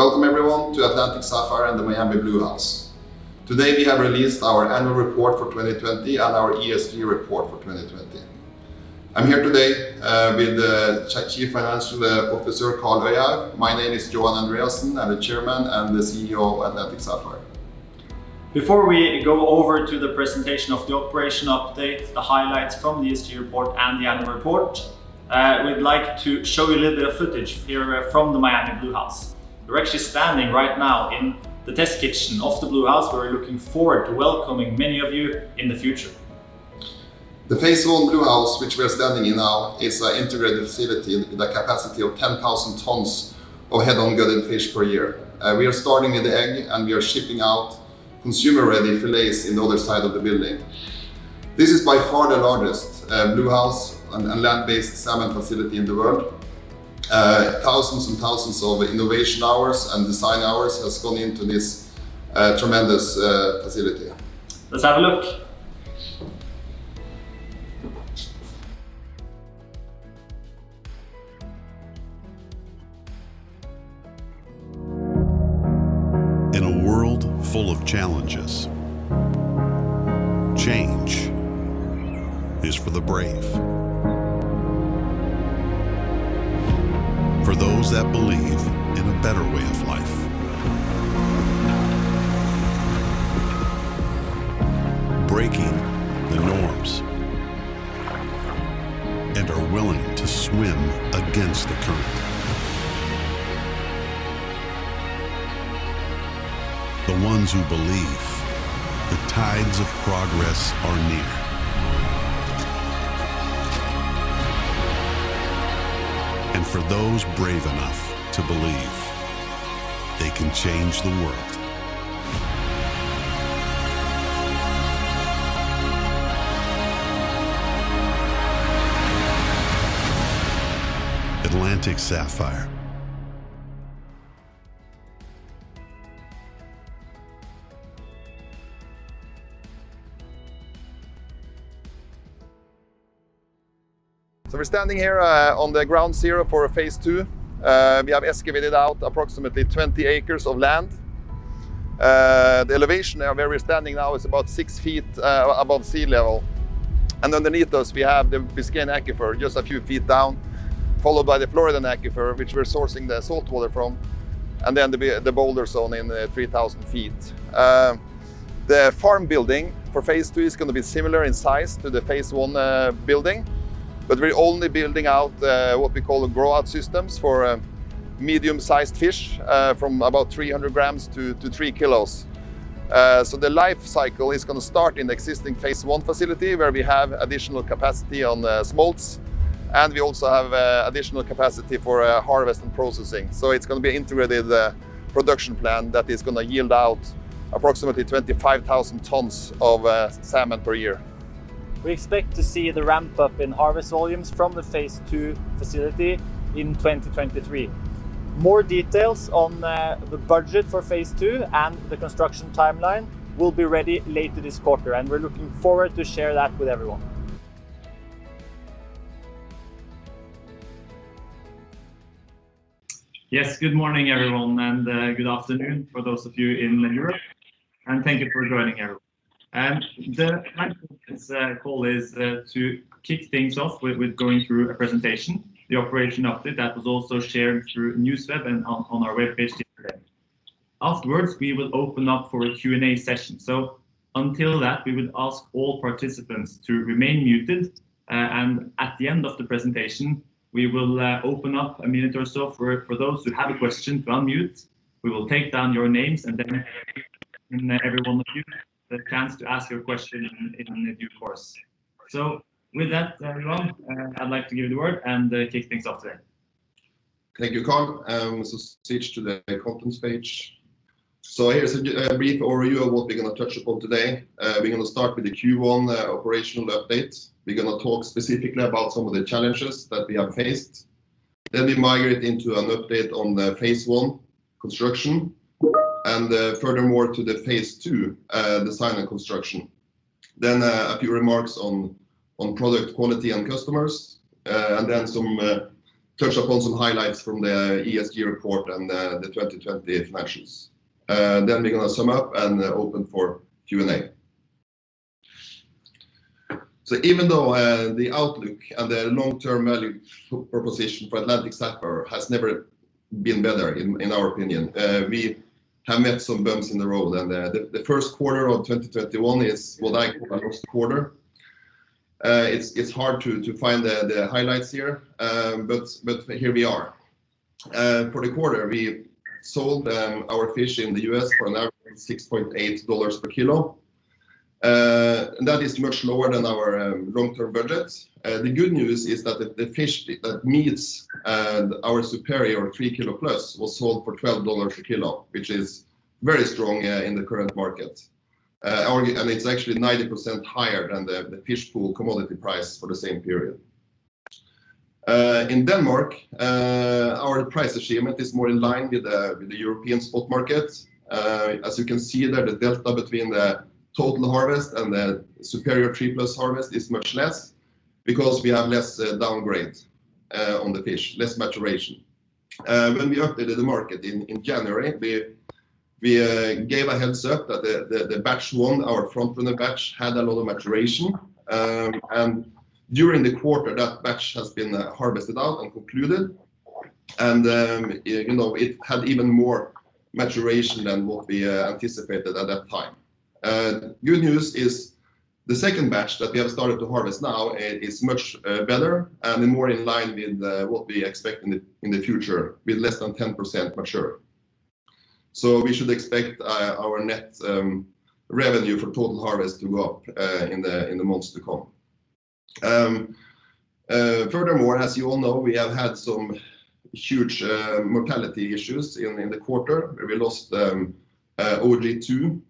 Welcome everyone to Atlantic Sapphire and the Miami Bluehouse. Today we have released our annual report for 2020 and our ESG report for 2020. I'm here today with the chief financial officer, Karl Øyehaug. My name is Johan Andreassen. I'm the Chairman and the CEO of Atlantic Sapphire. Before we go over to the presentation of the operation update, the highlights from the ESG report and the annual report, we'd like to show you a little bit of footage here from the Miami Bluehouse. We're actually standing right now in the test kitchen of the Bluehouse, where we're looking forward to welcoming many of you in the future. The Phase 1 Bluehouse, which we're standing in now, is an integrated facility with a capacity of 10,000 tons of head-on gutted fish per year. We are starting at the egg, we are shipping out consumer-ready filets in the other side of the building. This is by far the largest Bluehouse and land-based salmon facility in the world. Thousands and thousands of innovation hours and design hours has gone into this tremendous facility. Let's have a look. In a world full of challenges, change is for the brave. For those that believe in a better way of life. Breaking the norms and are willing to swim against the current. The ones who believe the tides of progress are near. For those brave enough to believe, they can change the world. Atlantic Sapphire. We're standing here on the ground zero for Phase 2. We have excavated out approximately 20 acres of land. The elevation where we're standing now is about six feet above sea level. Underneath us, we have the Biscayne Aquifer just a few feet down, followed by the Floridan Aquifer, which we're sourcing the saltwater from, then the boulder zone in 3,000 ft. The farm building for Phase 2 is going to be similar in size to the Phase 1 building, but we're only building out what we call the grow-out systems for medium-sized fish, from about 300 g to 3 kg. The life cycle is going to start in the existing Phase 1 facility where we have additional capacity on the smolts, and we also have additional capacity for harvest and processing. It's going to be an integrated production plan that is going to yield out approximately 25,000 tons of salmon per year. We expect to see the ramp up in harvest volumes from the Phase 2 facility in 2023. More details on the budget for Phase 2 and the construction timeline will be ready later this quarter. We're looking forward to share that with everyone. Yes, good morning, everyone, good afternoon for those of you in Europe. Thank you for joining, everyone. The plan for this call is to kick things off with going through a presentation, the operation update that was also shared through NewsWeb and on our webpage yesterday. Afterwards, we will open up for a Q&A session. Until that, we would ask all participants to remain muted. At the end of the presentation, we will open up a minute or so for those who have a question to unmute. We will take down your names and then give every one of you the chance to ask your question in the due course. With that, everyone, I'd like to give the word and kick things off there. Thank you, Karl. Switch to the contents page. Here's a brief overview of what we're going to touch upon today. We're going to start with the Q1 operational update. We're going to talk specifically about some of the challenges that we have faced. We migrate into an update on the Phase 1 construction, and furthermore to the Phase 2 design and construction. A few remarks on product quality and customers, and then touch upon some highlights from the ESG report and the 2020 financials. We're going to sum up and open for Q&A. Even though the outlook and the long-term value proposition for Atlantic Sapphire has never been better in our opinion, we have met some bumps in the road. The first quarter of 2021 is what I call a lost quarter. It's hard to find the highlights here we are. For the quarter, we sold our fish in the US for an average of $6.80 per kilo. That is much lower than our long-term budget. The good news is that the fish that meets our superior 3 kg+ was sold for $12 a kilo, which is very strong in the current market. It's actually 90% higher than the Fish Pool commodity price for the same period. In Denmark, our price achievement is more in line with the European spot market. As you can see there, the delta between the total harvest and the superior 3+ harvest is much less because we have less downgrade on the fish, less maturation. When we updated the market in January, we gave a heads up that the batch one, our front-runner batch, had a lot of maturation. During the quarter, that batch has been harvested out and concluded. It had even more maturation than what we anticipated at that time. Good news is the second batch that we have started to harvest now is much better and more in line with what we expect in the future, with less than 10% mature. We should expect our net revenue for total harvest to go up in the months to come. Furthermore, as you all know, we have had some huge mortality issues in the quarter, where we lost OG2.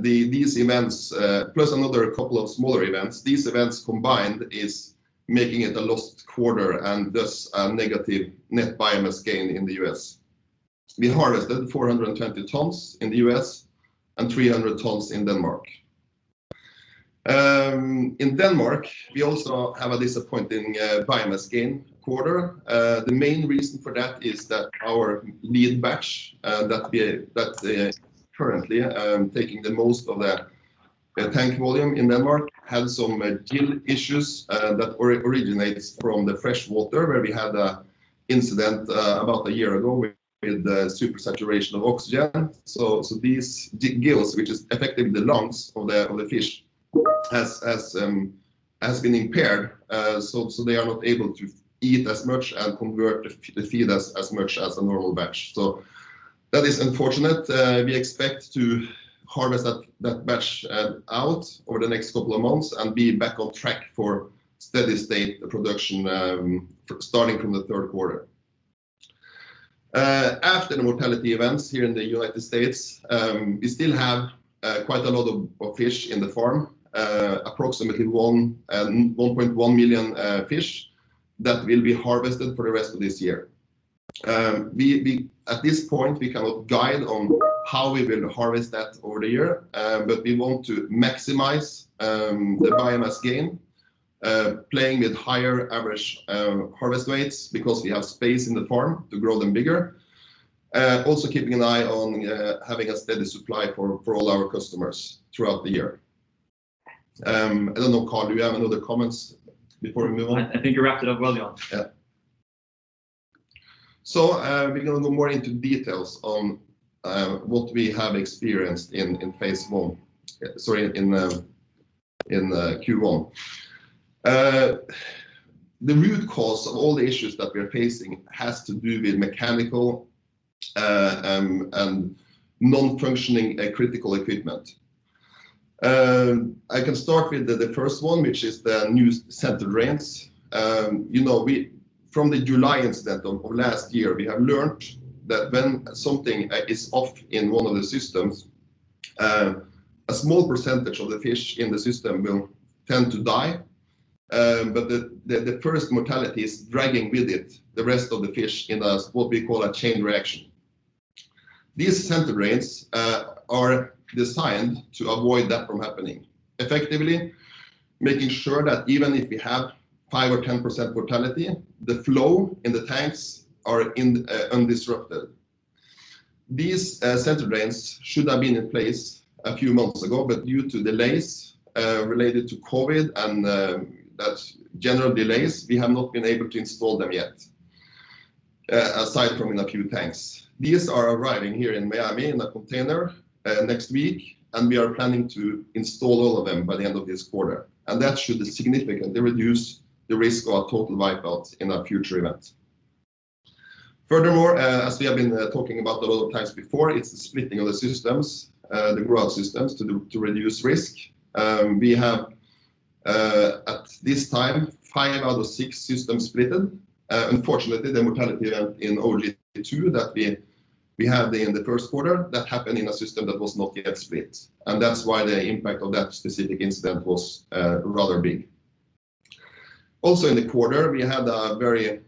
These events, plus another couple of smaller events, these events combined is making it a lost quarter, and thus a negative net biomass gain in the U.S. We harvested 420 tons in the U.S. and 300 tons in Denmark. In Denmark, we also have a disappointing biomass gain quarter. The main reason for that is that our lead batch, that's currently taking the most of the tank volume in Denmark, had some gill issues that originates from the fresh water, where we had a incident about a year ago with the supersaturation of oxygen. These gills, which is effectively the lungs of the fish, has been impaired, so they are not able to eat as much and convert the feed as much as a normal batch. That is unfortunate. We expect to harvest that batch out over the next couple of months and be back on track for steady state production, starting from the third quarter. After the mortality events here in the U.S., we still have quite a lot of fish in the farm. Approximately 1.1 million fish that will be harvested for the rest of this year. At this point, we cannot guide on how we will harvest that over the year. We want to maximize the biomass gain, playing with higher average harvest weights because we have space in the farm to grow them bigger. Also keeping an eye on having a steady supply for all our customers throughout the year. I don't know, Karl, do you have any other comments before we move on? I think you wrapped it up well, Johan. Yeah. We're going to go more into details on what we have experienced in Phase 1, sorry, in Q1. The root cause of all the issues that we are facing has to do with mechanical and non-functioning critical equipment. I can start with the first one, which is the new center drains. From the July incident of last year, we have learned that when something is off in one of the systems, a small percentage of the fish in the system will tend to die. The first mortality is dragging with it the rest of the fish in what we call a chain reaction. These center drains are designed to avoid that from happening. Effectively, making sure that even if we have 5% or 10% mortality, the flow in the tanks are undisrupted. These center drains should have been in place a few months ago, but due to delays related to COVID and general delays, we have not been able to install them yet, aside from in a few tanks. These are arriving here in Miami in a container next week. We are planning to install all of them by the end of this quarter. That should significantly reduce the risk of a total wipe out in a future event. Furthermore, as we have been talking about a lot of times before, it's the splitting of the systems, the growth systems to reduce risk. We have, at this time, five out of six systems splitted. Unfortunately, the mortality in OG2 that we had in the first quarter, that happened in a system that was not yet split. That's why the impact of that specific incident was rather big. In the quarter, we had a very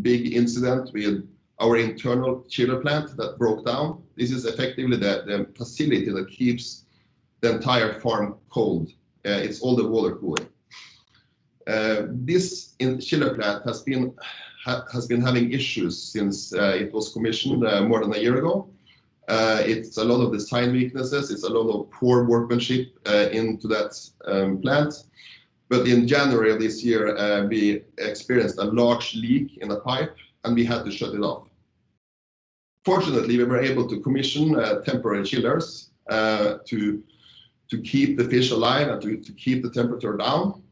big incident with our internal chiller plant that broke down. This is effectively the facility that keeps the entire farm cold. It's all the water cooling. This chiller plant has been having issues since it was commissioned more than a year ago. It's a lot of design weaknesses. It's a lot of poor workmanship into that plant. In January of this year, we experienced a large leak in a pipe, and we had to shut it off. Fortunately, we were able to commission temporary chillers to keep the fish alive and to keep the temperature down.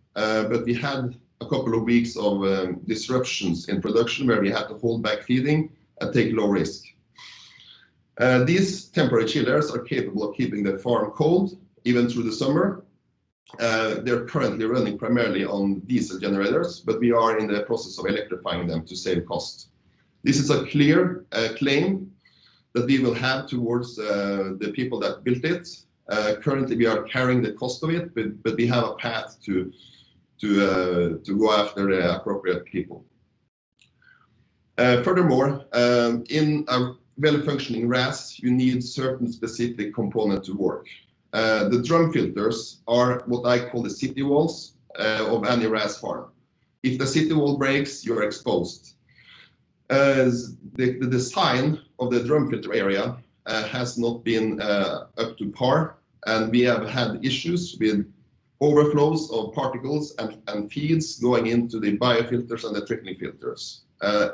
We had a couple of weeks of disruptions in production where we had to hold back feeding and take low risk. These temporary chillers are capable of keeping the farm cold, even through the summer. They're currently running primarily on diesel generators, but we are in the process of electrifying them to save cost. This is a clear claim that we will have towards the people that built it. Currently, we are carrying the cost of it, but we have a path to go after the appropriate people. Furthermore, in a well-functioning RAS, you need certain specific component to work. The drum filters are what I call the city walls of any RAS farm. If the city wall breaks, you're exposed. The design of the drum filter area has not been up to par, and we have had issues with overflows of particles and feeds going into the biofilters and the treatment filters,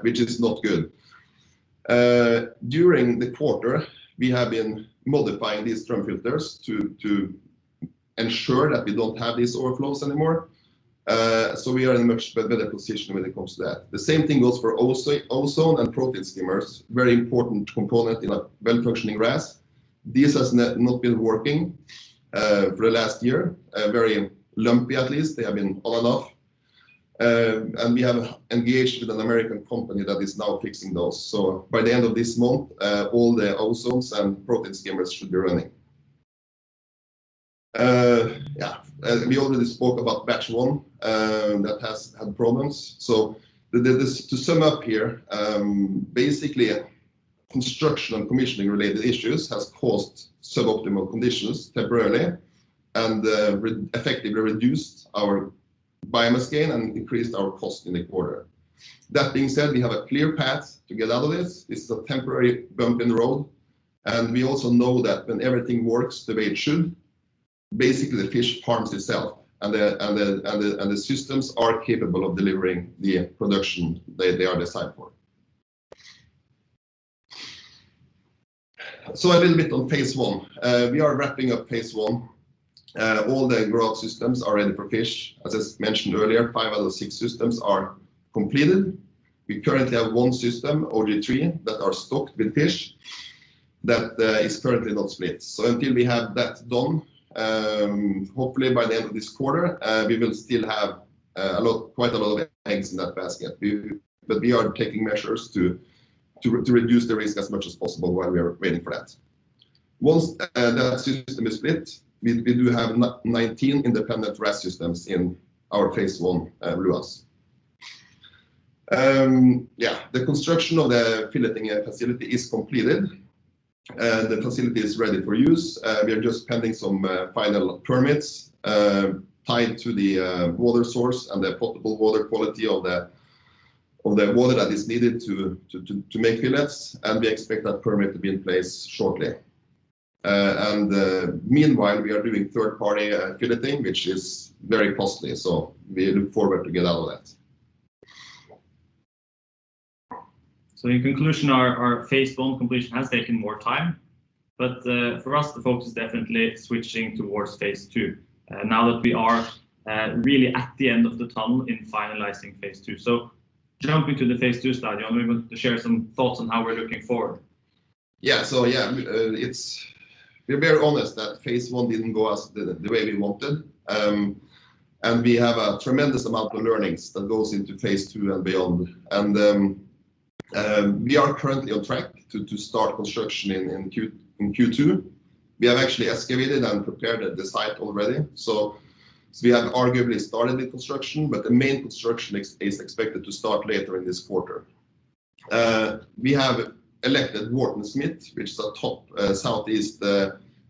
which is not good. During the quarter, we have been modifying these drum filters to ensure that we don't have these overflows anymore. We are in a much better position when it comes to that. The same thing goes for ozone and protein skimmers, very important component in a well-functioning RAS. These has not been working for the last year. Very lumpy, at least. They have been on and off. We have engaged with an American company that is now fixing those. By the end of this month, all the ozones and protein skimmers should be running. Yeah. We already spoke about batch one. That has had problems. To sum up here, basically, construction and commissioning-related issues has caused suboptimal conditions temporarily, and effectively reduced our biomass gain and increased our cost in the quarter. That being said, we have a clear path to get out of this. This is a temporary bump in the road. We also know that when everything works the way it should, basically, the fish farms itself, and the systems are capable of delivering the production they are designed for. A little bit on Phase 1. We are wrapping up Phase 1. All the growth systems are in for fish. As is mentioned earlier, five out of six systems are completed. We currently have one system, OG3, that are stocked with fish that is currently not split. Until we have that done, hopefully by the end of this quarter, we will still have quite a lot of eggs in that basket. We are taking measures to reduce the risk as much as possible while we are waiting for that. Once that system is split, we do have 19 independent RAS systems in our Phase 1 Bluehouse. Yeah. The construction of the filleting facility is completed. The facility is ready for use. We are just pending some final permits tied to the water source and the potable water quality of the water that is needed to make fillets. We expect that permit to be in place shortly. Meanwhile, we are doing third-party filleting, which is very costly, so we look forward to get out of that. In conclusion, our Phase 1 completion has taken more time, but for us, the focus is definitely switching towards Phase 2. Now that we are really at the end of the tunnel in finalizing Phase 2. Jumping to the Phase 2 slide, Johan, we want to share some thoughts on how we're looking forward. Yeah. We're very honest that Phase 1 didn't go the way we wanted. We have a tremendous amount of learnings that goes into Phase 2 and beyond. We are currently on track to start construction in Q2. We have actually excavated and prepared the site already. We have arguably started the construction, but the main construction is expected to start later in this quarter. We have elected Wharton-Smith, which is a top Southeast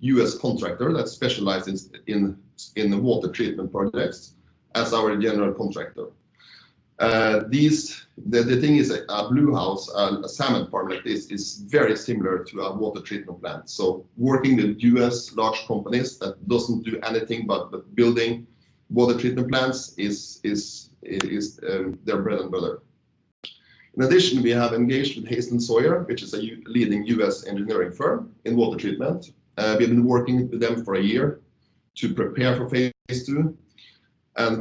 U.S. contractor that specializes in water treatment projects, as our general contractor. The thing is, at Bluehouse, a salmon farm like this, is very similar to a water treatment plant. Working with U.S. large companies that doesn't do anything but building water treatment plants is their bread and butter. In addition, we have engaged with Hazen and Sawyer, which is a leading U.S. engineering firm in water treatment. We've been working with them for a year to prepare for Phase 2.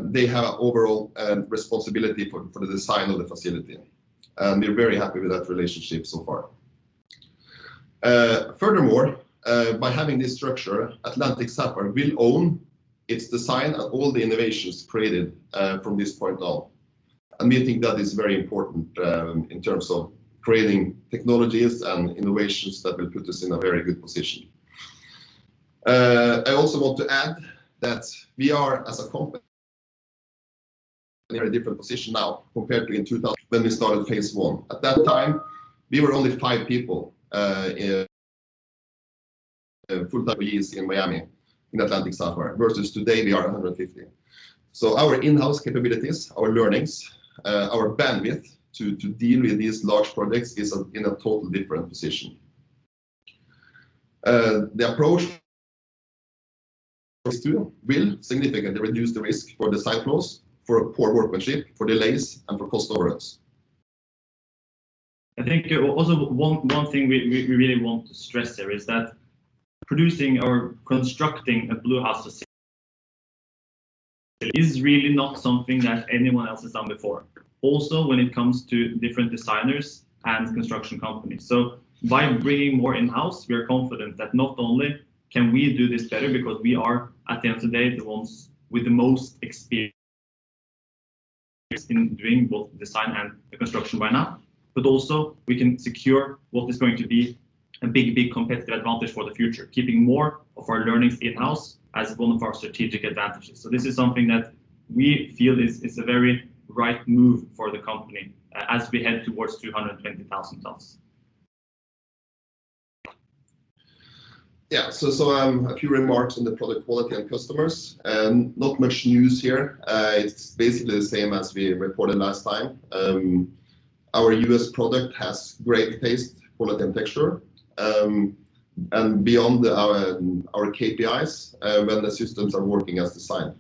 They have overall responsibility for the design of the facility. We're very happy with that relationship so far. Furthermore, by having this structure, Atlantic Sapphire will own its design and all the innovations created from this point on. We think that is very important in terms of creating technologies and innovations that will put us in a very good position. I also want to add that we are, as a company, in a very different position now compared to in 2019 when we started Phase 1. At that time, we were only five people, full FTEs in Miami, in Atlantic Sapphire, versus today, we are 150. Our in-house capabilities, our learnings, our bandwidth to deal with these large projects is in a total different position. The approach, Phase 2 will significantly reduce the risk for the site close, for poor workmanship, for delays, and for cost overruns. I think also one thing we really want to stress there is that producing or constructing a Bluehouse facility is really not something that anyone else has done before, also when it comes to different designers and construction companies. By bringing more in-house, we are confident that not only can we do this better because we are, at the end of the day, the ones with the most experience in doing both the design and the construction by now, but also we can secure what is going to be a big, big competitive advantage for the future, keeping more of our learnings in-house as one of our strategic advantages. This is something that we feel is a very right move for the company as we head towards 220,000 tons. Yeah. A few remarks on the product quality and customers. Not much news here. It's basically the same as we reported last time. Our U.S. product has great taste, quality, and texture, and beyond our KPIs when the systems are working as designed.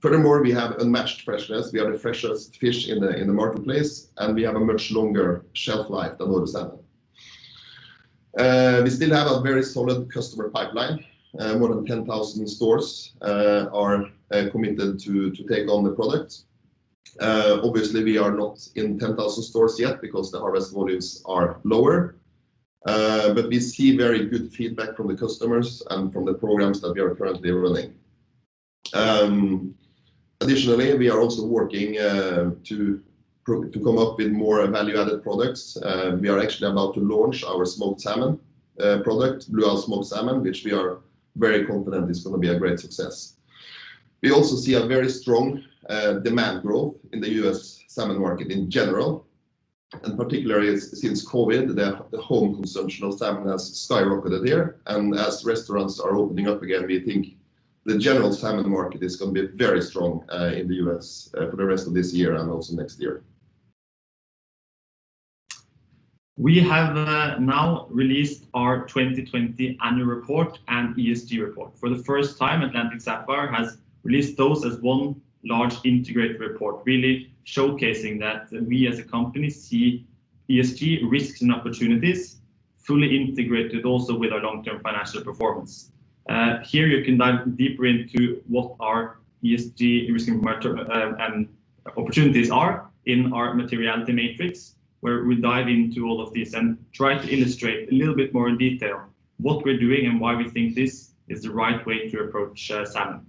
Furthermore, we have unmatched freshness. We are the freshest fish in the marketplace, and we have a much longer shelf life than other salmon. We still have a very solid customer pipeline. More than 10,000 stores are committed to take on the product. Obviously, we are not in 10,000 stores yet because the harvest volumes are lower. We see very good feedback from the customers and from the programs that we are currently running. Additionally, we are also working to come up with more value-added products. We are actually about to launch our smoked salmon product, Bluehouse smoked salmon, which we are very confident is going to be a great success. We also see a very strong demand growth in the U.S. salmon market in general, and particularly since COVID, the home consumption of salmon has skyrocketed here, and as restaurants are opening up again, we think the general salmon market is going to be very strong in the U.S. for the rest of this year and also next year. We have now released our 2020 annual report and ESG report. For the first time, Atlantic Sapphire has released those as one large integrated report, really showcasing that we as a company see ESG risks and opportunities fully integrated also with our long-term financial performance. Here you can dive deeper into what our ESG risks and opportunities are in our materiality matrix, where we dive into all of this and try to illustrate a little bit more in detail what we're doing and why we think this is the right way to approach salmon.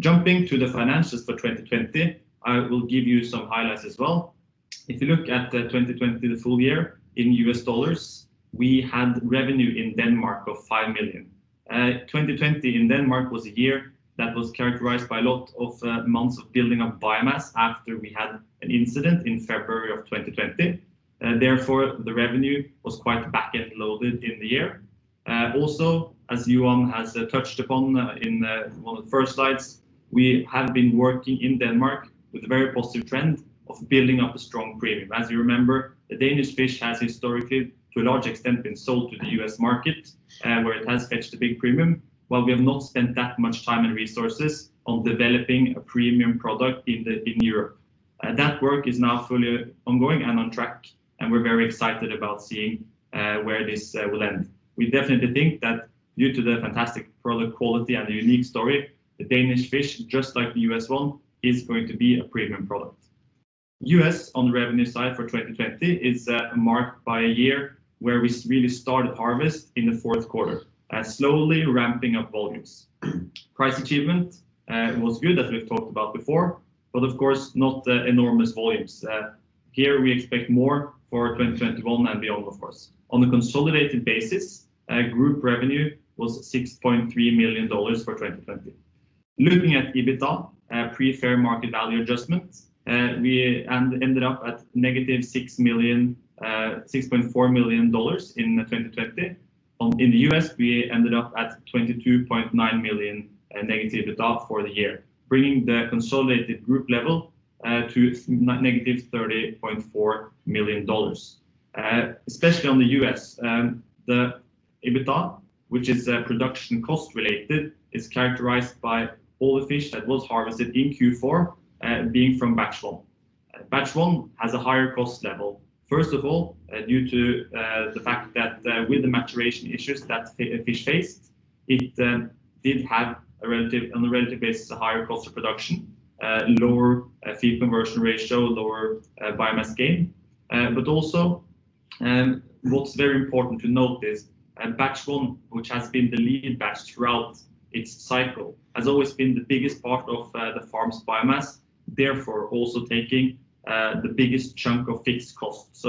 Jumping to the finances for 2020, I will give you some highlights as well. If you look at 2020, the full year in US dollars, we had revenue in Denmark of $5 million. 2020 in Denmark was a year that was characterized by a lot of months of building up biomass after we had an incident in February of 2020. Therefore, the revenue was quite backend loaded in the year. Also, as Johan has touched upon in one of the first slides, we have been working in Denmark with a very positive trend of building up a strong premium. As you remember, the Danish fish has historically, to a large extent, been sold to the U.S. market, where it has fetched a big premium, while we have not spent that much time and resources on developing a premium product in Europe. That work is now fully ongoing and on track, and we're very excited about seeing where this will end. We definitely think that due to the fantastic product quality and the unique story, the Danish fish, just like the U.S. one, is going to be a premium product. U.S. on the revenue side for 2020 is marked by a year where we really started harvest in the fourth quarter, slowly ramping up volumes. Price achievement was good, as we've talked about before, of course, not enormous volumes. Here we expect more for 2021 and beyond, of course. On a consolidated basis, group revenue was $6.3 million for 2020. Looking at EBITDA, pre fair market value adjustments, we ended up at negative $6.4 million in 2020. In the U.S., we ended up at $22.9 million negative EBITDA for the year, bringing the consolidated group level to negative $30.4 million. Especially on the U.S., the EBITDA, which is production cost related, is characterized by all the fish that was harvested in Q4 being from batch one. Batch one has a higher cost level, first of all, due to the fact that with the maturation issues that fish faced, it did have on a relative basis, a higher cost of production, lower feed conversion ratio, lower biomass gain. Also, what's very important to notice, batch one, which has been the leading batch throughout its cycle, has always been the biggest part of the farm's biomass, therefore also taking the biggest chunk of fixed cost.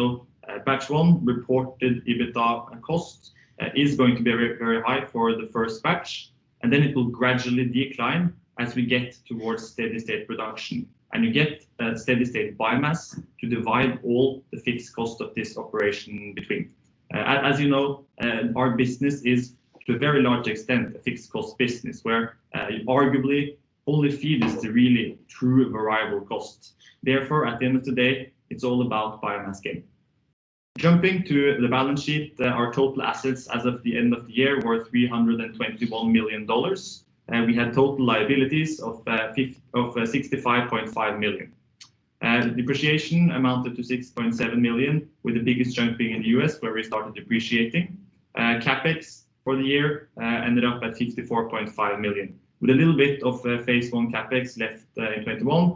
Batch one reported EBITDA cost is going to be very high for the first batch, and then it will gradually decline as we get towards steady state production and we get steady state biomass to divide all the fixed cost of this operation between. As you know, our business is to a very large extent a fixed cost business, where arguably only feed is the really true variable cost. Therefore, at the end of the day, it's all about biomass gain. Jumping to the balance sheet, our total assets as of the end of the year were $321 million, and we had total liabilities of $65.5 million. Depreciation amounted to $6.7 million, with the biggest chunk being in the U.S., where we started depreciating. CapEx for the year ended up at $54.5 million with a little bit of Phase 1 CapEx left in 2021,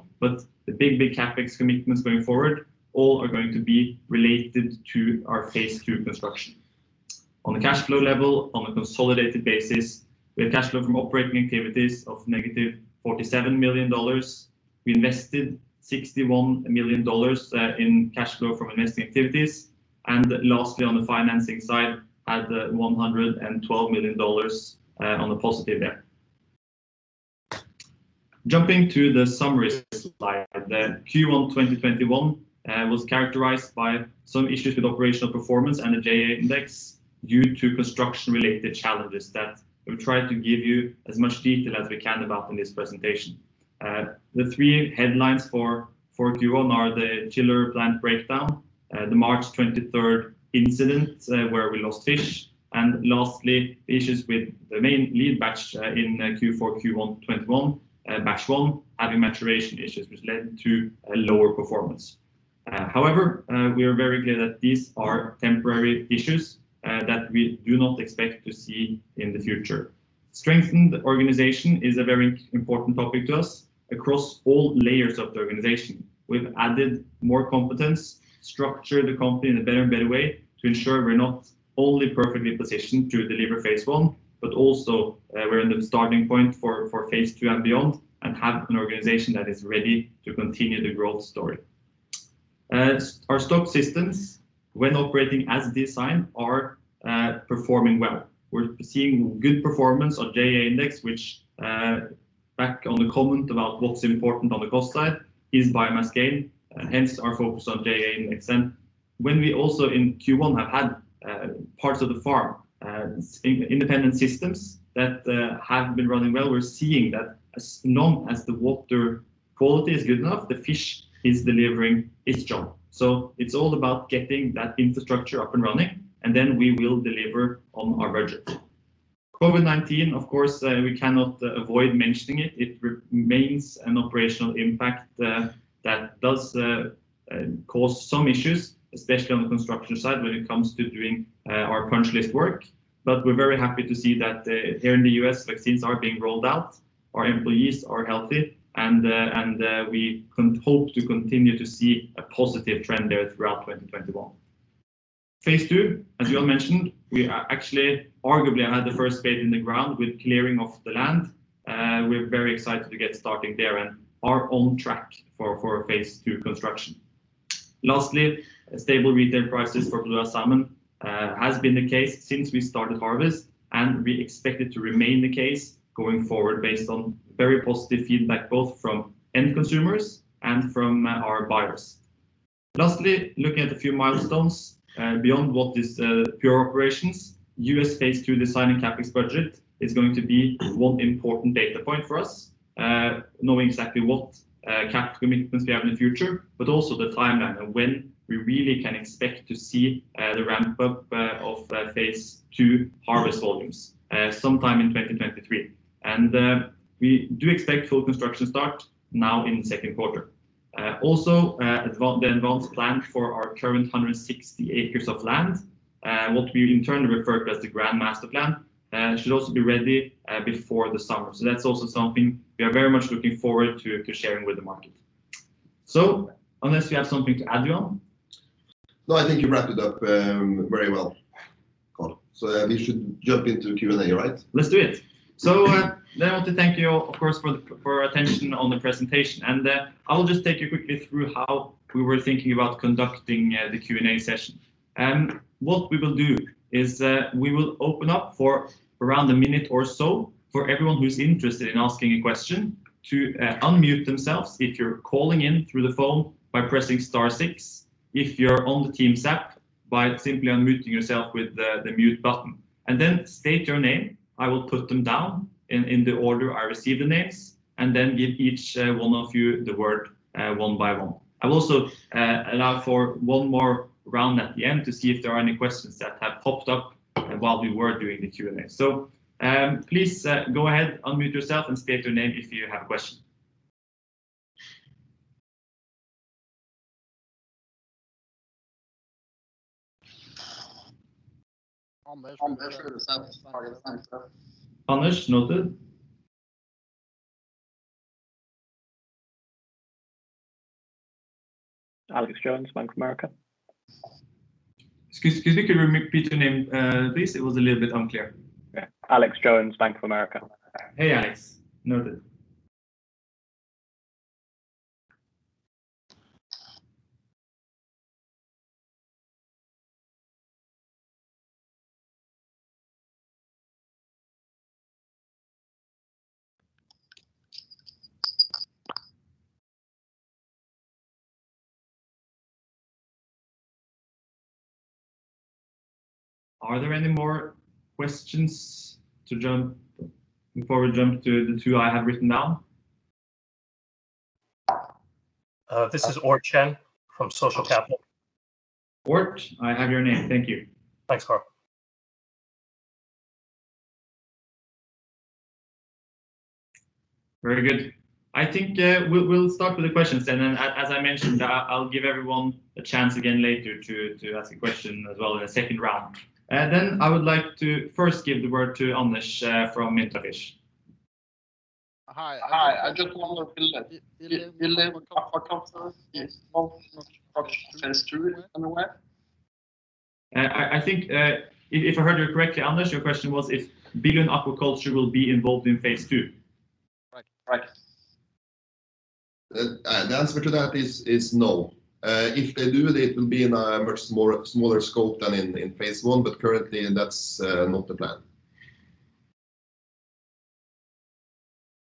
the big CapEx commitments going forward all are going to be related to our Phase 2 construction. On the cash flow level, on a consolidated basis, we have cash flow from operating activities of -$47 million. We invested $61 million in cash flow from investing activities. Lastly on the financing side, had $112 million on the positive there. Jumping to the summaries slide, Q1 2021 was characterized by some issues with operational performance and the JEA Index due to construction-related challenges that we've tried to give you as much detail as we can about in this presentation. The three headlines for Q1 are the chiller plant breakdown, the March 23rd incident where we lost fish, and lastly, the issues with the main lead batch in Q4, Q1 2021, batch one, having maturation issues, which led to a lower performance. However, we are very clear that these are temporary issues that we do not expect to see in the future. Strengthening the organization is a very important topic to us across all layers of the organization. We've added more competence, structured the company in a better way to ensure we're not only perfectly positioned to deliver Phase 1, but also we're in the starting point for Phase 2 and beyond, and have an organization that is ready to continue the growth story. Our stock systems, when operating as designed, are performing well. We're seeing good performance on TGC Index, which, back on the comment about what's important on the cost side, is biomass gain, hence our focus on TGC Index. When we also in Q1 have had parts of the farm, independent systems that have been running well, we're seeing that as long as the water quality is good enough, the fish is delivering its job. It's all about getting that infrastructure up and running, and then we will deliver on our budget. COVID-19, of course, we cannot avoid mentioning it. It remains an operational impact that does cause some issues, especially on the construction side when it comes to doing our punch list work. We're very happy to see that here in the U.S., vaccines are being rolled out, our employees are healthy, and we hope to continue to see a positive trend there throughout 2021. Phase 2, as Johan mentioned, we are actually arguably had the first spade in the ground with clearing of the land. We're very excited to get starting there and are on track for Phase 2 construction. Lastly, stable retail prices for Bluehouse Salmon has been the case since we started harvest, and we expect it to remain the case going forward based on very positive feedback, both from end consumers and from our buyers. Lastly, looking at a few milestones beyond what is pure operations, U.S. Phase 2 design and CapEx budget is going to be one important data point for us, knowing exactly what capital commitments we have in the future, but also the timeline of when we really can expect to see the ramp-up of Phase 2 harvest volumes, sometime in 2023. We do expect full construction start now in the second quarter. The advanced plan for our current 160 acres of land, what we internally refer to as the grand master plan, should also be ready before the summer. That's also something we are very much looking forward to sharing with the market. Unless you have something to add, Johan? No, I think you wrapped it up very well, Karl. We should jump into Q&A, right? Let's do it. I want to thank you all, of course, for your attention on the presentation, and I'll just take you quickly through how we were thinking about conducting the Q&A session. What we will do is we will open up for around a minute or so for everyone who's interested in asking a question to unmute themselves, if you're calling in through the phone, by pressing star six, if you're on the Teams app, by simply unmuting yourself with the mute button. State your name. I will put them down in the order I receive the names, and then give each one of you the word one by one. I will also allow for one more round at the end to see if there are any questions that have popped up while we were doing the Q&A. Please go ahead, unmute yourself and state your name if you have a question. Anders Furuset with IntraFish. Thanks, Karl. Anders, noted. Alex Jones, Bank of America. Excuse me, could you repeat your name, please? It was a little bit unclear. Yeah. Alex Jones, Bank of America. Hey, Alex. Noted. Are there any more questions before we jump to the two I have written down? This is Ort Chen from Social Capital. Ort, I have your name. Thank you. Thanks, Karl. Very good. I think we'll start with the questions then, and as I mentioned, I'll give everyone a chance again later to ask a question as well in a second round. I would like to first give the word to Anders from IntraFish. Hi. I just wonder, will Billund Aquaculture be involved in production Phase 2 in a way? I think if I heard you correctly, Anders, your question was if Billund Aquaculture will be involved in Phase 2. Right. The answer to that is no. If they do, it will be in a much smaller scope than in Phase 1, but currently that's not the plan.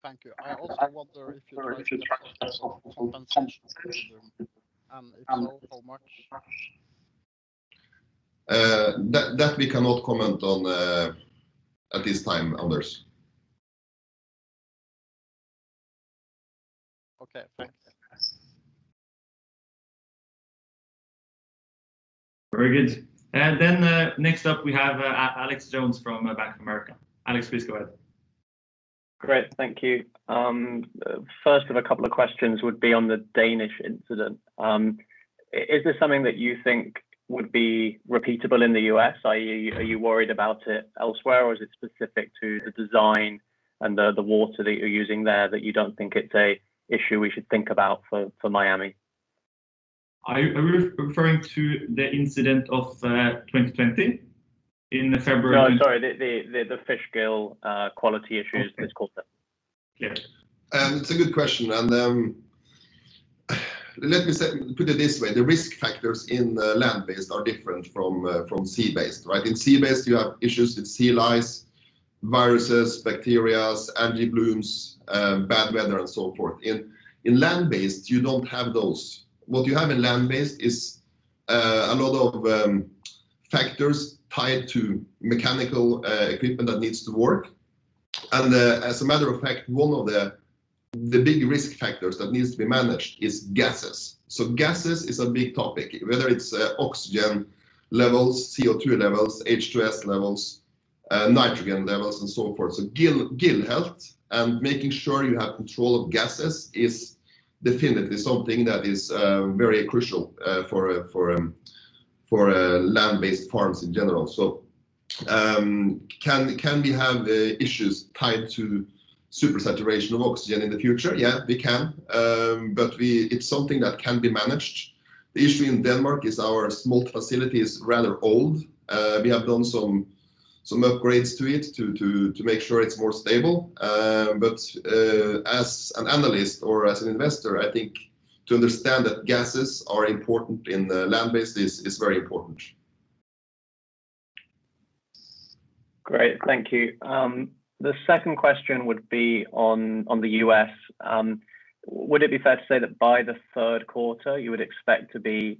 Thank you. I also wonder if you'd like to talk about compensation from Billund, if you know how much? That we cannot comment on at this time, Anders. Okay, thanks. Very good. Next up we have Alex Jones from Bank of America. Alex, please go ahead. Great, thank you. First of a couple of questions would be on the Danish incident. Is this something that you think would be repeatable in the U.S., i.e., are you worried about it elsewhere or is it specific to the design and the water that you're using there that you don't think it's an issue we should think about for Miami? Are you referring to the incident of 2020 in February? No, sorry. The fish gill quality issues this quarter. Yes. It's a good question. Let me put it this way. The risk factors in land-based are different from sea-based, right? In sea-based, you have issues with sea lice, viruses, bacteria, algae blooms, bad weather, and so forth. In land-based, you don't have those. What you have in land-based is a lot of factors tied to mechanical equipment that needs to work, and as a matter of fact, one of the big risk factors that needs to be managed is gases. Gases is a big topic, whether it's oxygen levels, CO2 levels, H2S levels, nitrogen levels, and so forth. Gill health and making sure you have control of gases is definitely something that is very crucial for land-based farms in general. Can we have issues tied to supersaturation of oxygen in the future? Yeah, we can. It's something that can be managed. The issue in Denmark is our smolt facility is rather old. We have done some upgrades to it to make sure it's more stable. As an analyst or as an investor, I think to understand that gases are important in the land-based is very important. Great, thank you. The second question would be on the U.S. Would it be fair to say that by the third quarter you would expect to be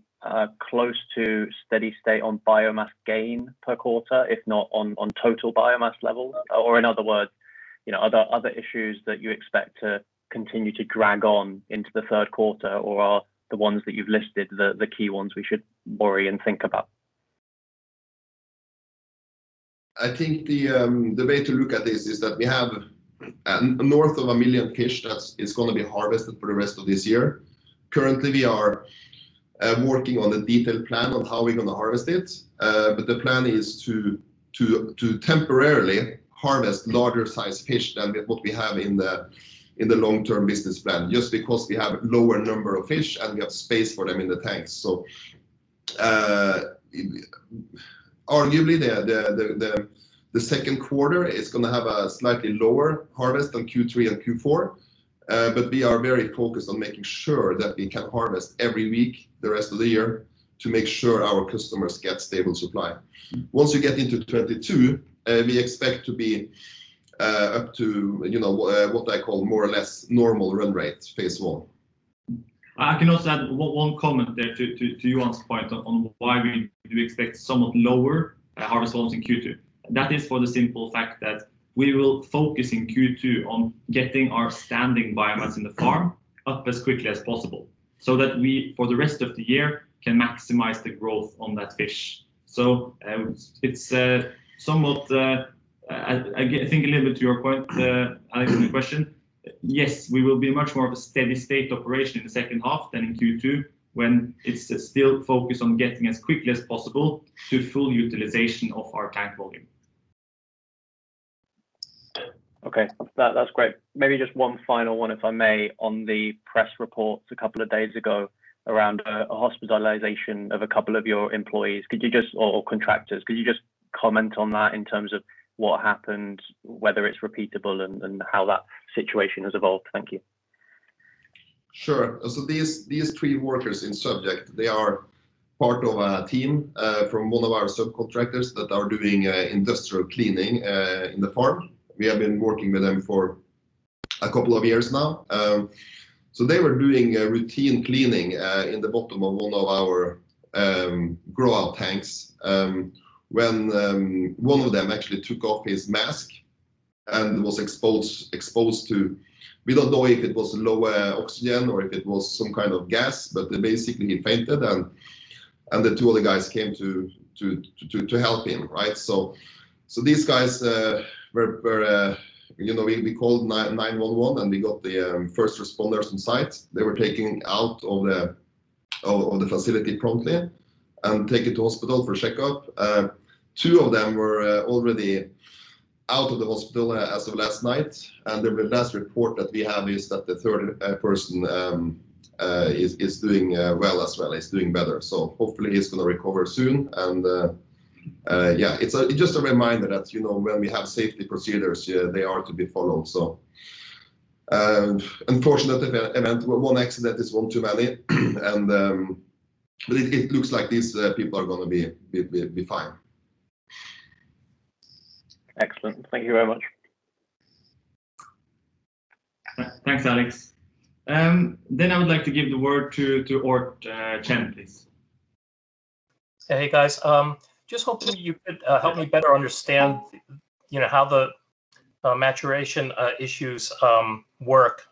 close to steady state on biomass gain per quarter, if not on total biomass level? In other words, are there other issues that you expect to continue to drag on into the third quarter, or are the ones that you've listed the key ones we should worry and think about? I think the way to look at this is that we have north of a million fish that is going to be harvested for the rest of this year. Currently, we are working on the detailed plan on how we're going to harvest it. The plan is to temporarily harvest larger-sized fish than what we have in the long-term business plan, just because we have lower number of fish and we have space for them in the tanks. Arguably, the second quarter is going to have a slightly lower harvest than Q3 and Q4. We are very focused on making sure that we can harvest every week the rest of the year to make sure our customers get stable supply. Once we get into 2022, we expect to be up to what I call more or less normal run rates, Phase 1. I can also add one comment there to Johan's point on why we expect somewhat lower harvest volumes in Q2. That is for the simple fact that we will focus in Q2 on getting our standing biomass in the farm up as quickly as possible so that we, for the rest of the year, can maximize the growth on that fish. It's somewhat, I think a little bit to your point, Alex, on your question, yes, we will be much more of a steady state operation in the second half than in Q2, when it's still focused on getting as quickly as possible to full utilization of our tank volume. Okay. That is great. Maybe just one final one, if I may, on the press reports a couple of days ago around a hospitalization of a couple of your employees or contractors. Could you just comment on that in terms of what happened, whether it is repeatable, and how that situation has evolved? Thank you. Sure. These three workers in subject, they are part of a team from one of our subcontractors that are doing industrial cleaning in the farm. We have been working with them for a couple of years now. They were doing a routine cleaning in the bottom of one of our grow-out tanks, when one of them actually took off his mask and was exposed to, we don't know if it was lower oxygen or if it was some kind of gas, but basically he fainted and the two other guys came to help him, right? We called 911 and we got the first responders on site. They were taken out of the facility promptly and taken to hospital for checkup. Two of them were already out of the hospital as of last night. The last report that we have is that the third person is doing well as well. He's doing better, so hopefully he's going to recover soon. Yeah. It's just a reminder that when we have safety procedures, they are to be followed. Unfortunately, one accident is one too many. It looks like these people are going to be fine. Excellent. Thank you very much. Thanks, Alex. I would like to give the word to Ort Chen, please. Hey, guys. Just hoping you could help me better understand how the maturation issues work.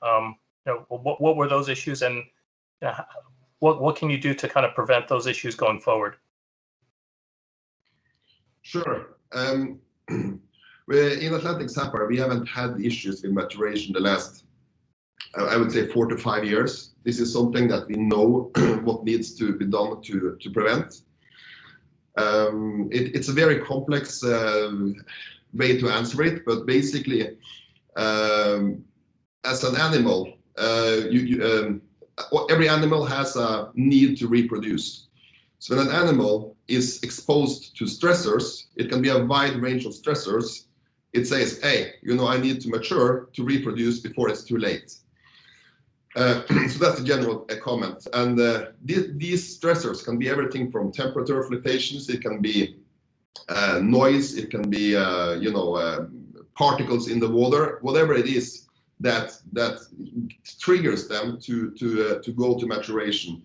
What were those issues and what can you do to prevent those issues going forward? Sure. In Atlantic Sapphire, we haven't had issues with maturation the last, I would say, four to five years. This is something that we know what needs to be done to prevent. It's a very complex way to answer it, but basically, every animal has a need to reproduce. When an animal is exposed to stressors, it can be a wide range of stressors, it says, "Hey, I need to mature to reproduce before it's too late." That's the general comment. These stressors can be everything from temperature fluctuations, it can be noise, it can be particles in the water. Whatever it is that triggers them to go to maturation.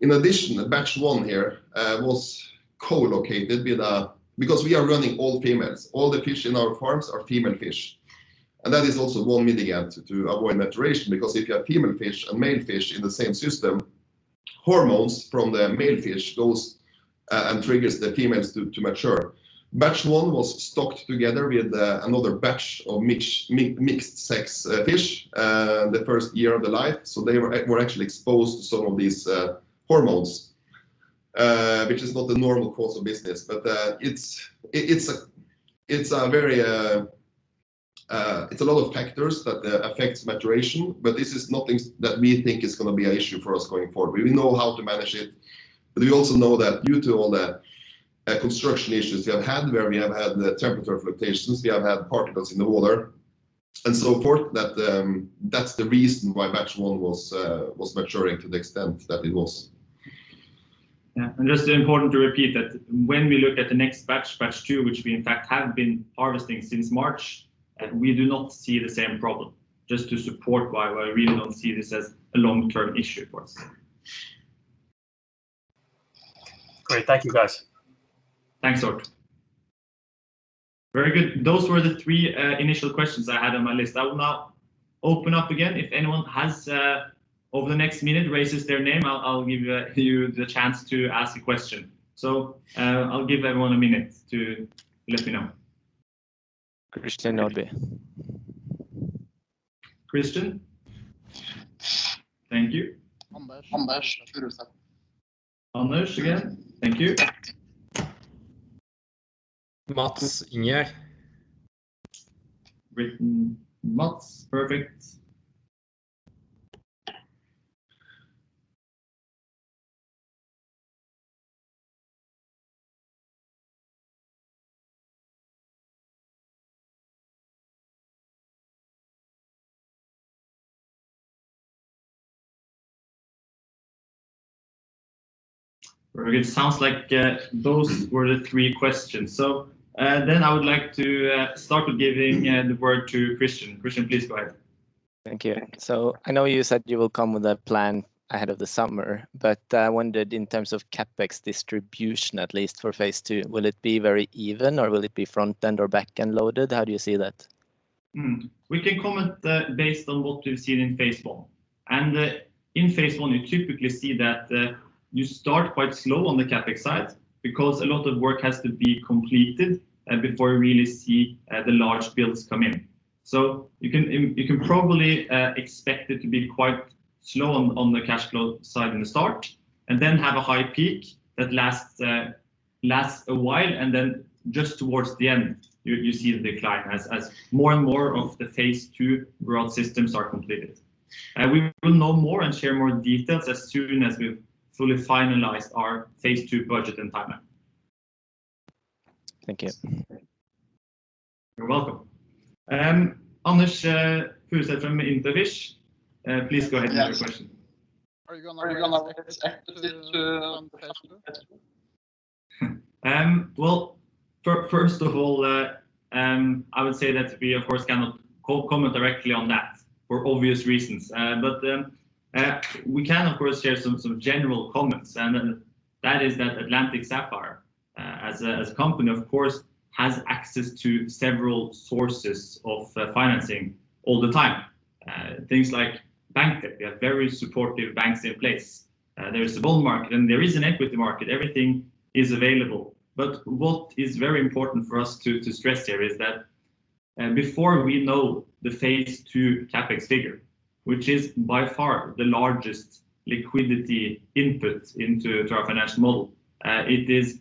In addition, batch one here was co-located with because we are running all females. All the fish in our farms are female fish. That is also one mitigant to avoid maturation, because if you have female fish and male fish in the same system, hormones from the male fish goes and triggers the females to mature. Batch one was stocked together with another batch of mixed sex fish the first year of the life. They were actually exposed to some of these hormones, which is not the normal course of business. It's a lot of factors that affects maturation, but this is nothing that we think is going to be an issue for us going forward. We know how to manage it, but we also know that due to all the construction issues we have had, where we have had the temperature fluctuations, we have had particles in the water, and so forth, that's the reason why batch one was maturing to the extent that it was. Yeah. Just important to repeat that when we look at the next batch two, which we in fact have been harvesting since March, we do not see the same problem. Just to support why we really don't see this as a long-term issue for us. Great. Thank you, guys. Thanks, Ort. Very good. Those were the three initial questions I had on my list. I will now open up again. If anyone has, over the next minute, raises their name, I'll give you the chance to ask a question. I'll give everyone a minute to let me know. Christian Nordby. Christian? Thank you. Anders Furuset. Anders again. Thank you. Mads Ingier. Written Mads. Perfect. Very good. Sounds like those were the three questions. I would like to start with giving the word to Christian. Christian, please go ahead. Thank you. I know you said you will come with a plan ahead of the summer, I wondered in terms of CapEx distribution, at least for Phase 2, will it be very even or will it be front end or back end loaded? How do you see that? We can comment based on what we've seen in Phase 1. In Phase 1, you typically see that you start quite slow on the CapEx side because a lot of work has to be completed, before you really see the large builds come in. You can probably expect it to be quite slow on the cash flow side in the start, and then have a high peak that lasts a while, and then just towards the end, you see the decline as more and more of the Phase 2 growth systems are completed. We will know more and share more details as soon as we've fully finalized our Phase 2 budget and timeline. Thank you. You're welcome. Anders Furuset from IntraFish, please go ahead with your question. Are you going to have access to Phase 2 capital? Well, first of all, I would say that we, of course, cannot comment directly on that for obvious reasons. We can, of course, share some general comments, and that is that Atlantic Sapphire, as a company, of course, has access to several sources of financing all the time. Things like bank debt. We have very supportive banks in place. There is the bond market, and there is an equity market. Everything is available. What is very important for us to stress here is that before we know the Phase 2 CapEx figure, which is by far the largest liquidity input into our financial model, it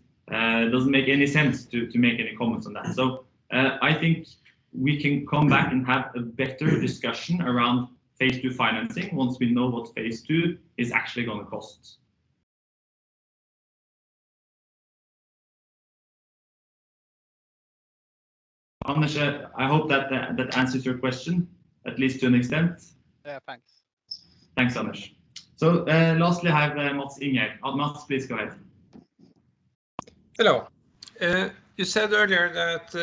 doesn't make any sense to make any comments on that. I think we can come back and have a better discussion around Phase 2 financing once we know what Phase 2 is actually going to cost. Anders, I hope that answers your question, at least to an extent. Yeah, thanks. Thanks, Anders. Lastly, I have Mads Ingier. Mads, please go ahead. Hello. You said earlier that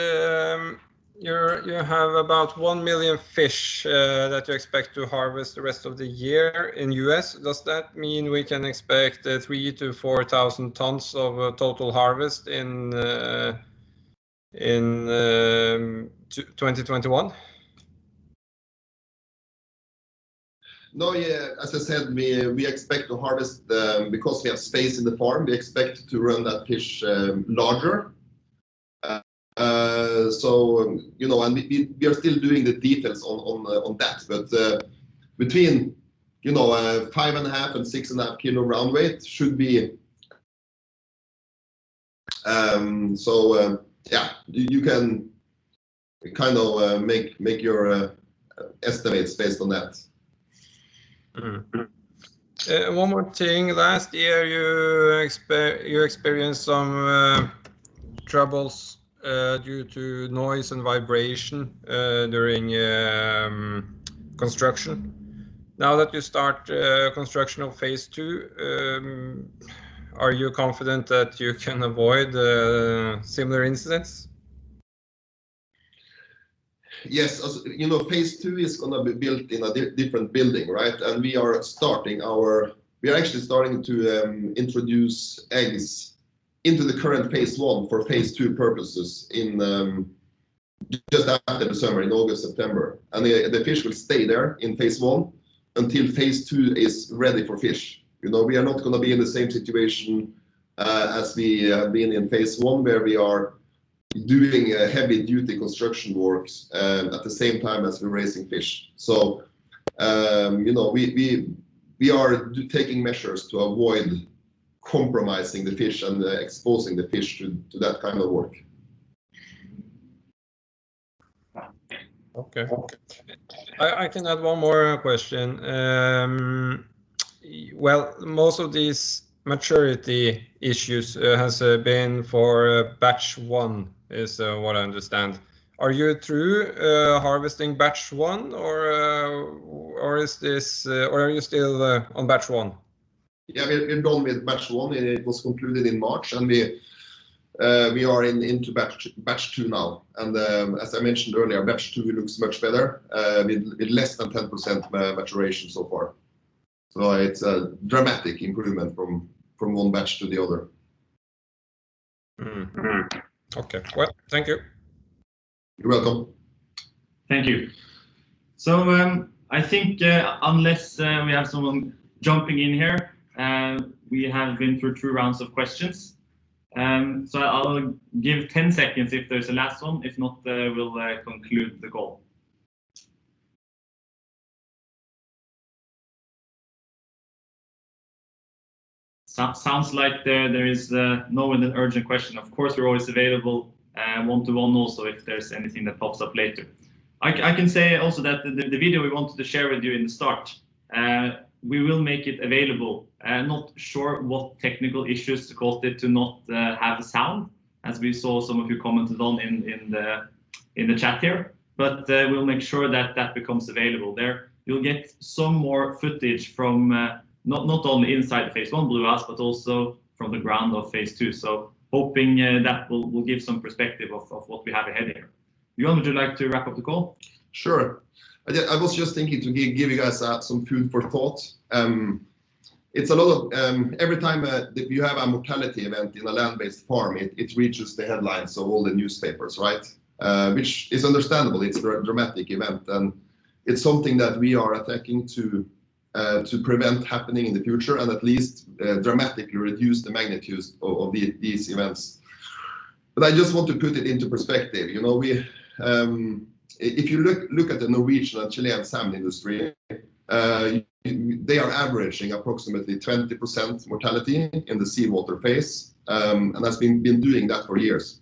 you have about 1 million fish that you expect to harvest the rest of the year in the U.S. Does that mean we can expect three to 4,000 tons of total harvest in 2021? No. As I said, because we have space in the farm, we expect to run that fish larger. We are still doing the details on that. Between 5.5 and 6.4 kg round weight should be. Yeah, you can make your estimates based on that. One more thing. Last year, you experienced some troubles due to noise and vibration during construction. Now that you start construction of Phase 2, are you confident that you can avoid similar incidents? Yes. Phase 2 is going to be built in a different building. We are actually starting to introduce eggs into the current Phase 1 for Phase 2 purposes just after the summer, in August, September. The fish will stay there in Phase 1 until Phase 2 is ready for fish. We are not going to be in the same situation as we have been in Phase 1, where we are doing heavy-duty construction works at the same time as we're raising fish. We are taking measures to avoid compromising the fish and exposing the fish to that kind of work. Okay. I can add one more question. Most of these maturity issues has been for batch one, is what I understand. Are you through harvesting batch one, or are you still on batch one? Yeah, we're done with batch one. It was concluded in March, we are into batch two now. As I mentioned earlier, batch two looks much better, with less than 10% maturation so far. It's a dramatic improvement from one batch to the other. Okay. Thank you. You're welcome. Thank you. I think unless we have someone jumping in here, we have been through two rounds of questions. I'll give 10 seconds if there's a last one. If not, we'll conclude the call. Sounds like there is no other urgent question. Of course, we're always available one-to-one also if there's anything that pops up later. I can say also that the video we wanted to share with you in the start, we will make it available. Not sure what technical issues caused it to not have sound, as we saw some of you commented on in the chat here. We'll make sure that that becomes available there. You'll get some more footage from not only inside the Phase 1 Bluehouse, but also from the ground of Phase 2. Hoping that will give some perspective of what we have ahead here. Johan, would you like to wrap up the call? Sure. I was just thinking to give you guys some food for thought. Every time that you have a mortality event in a land-based farm, it reaches the headlines of all the newspapers, right? Which is understandable. It's a dramatic event, and it's something that we are attacking to prevent happening in the future and at least dramatically reduce the magnitudes of these events. I just want to put it into perspective. If you look at the Norwegian and Chilean salmon industry, they are averaging approximately 20% mortality in the seawater phase, and has been doing that for years.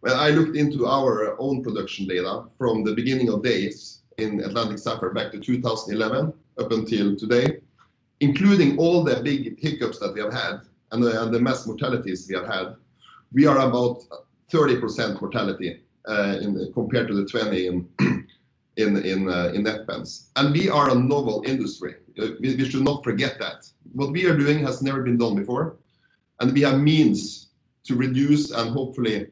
When I looked into our own production data from the beginning of days in Atlantic Sapphire back to 2011 up until today, including all the big hiccups that we have had and the mass mortalities we have had, we are about 30% mortality compared to the 20 in net pens. We are a novel industry. We should not forget that. What we are doing has never been done before, and we have means to reduce and hopefully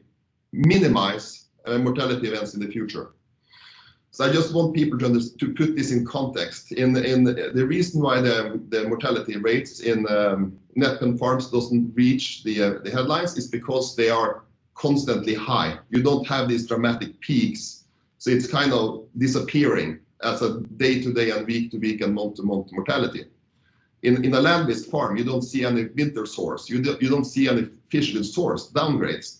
minimize mortality events in the future. I just want people to put this in context. The reason why the mortality rates in net pen farms doesn't reach the headlines is because they are constantly high. You don't have these dramatic peaks. It's kind of disappearing as a day-to-day and week-to-week and month-to-month mortality. In a land-based farm, you don't see any winter sores. You don't see any fish with sore downgrades.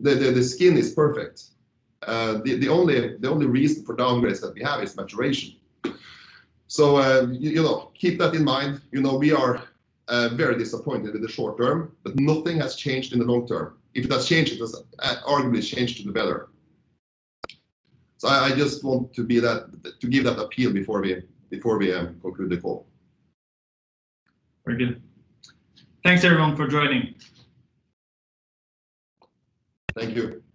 The skin is perfect. The only reason for downgrades that we have is maturation. Keep that in mind. We are very disappointed in the short term, but nothing has changed in the long term. If it has changed, it has arguably changed for the better. I just want to give that appeal before we conclude the call. Very good. Thanks everyone for joining. Thank you.